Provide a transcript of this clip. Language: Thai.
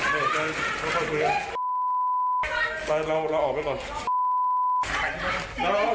น้องเอาไปพวกคุณไม่ว่าแปลของให้มันก่อน